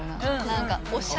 何か。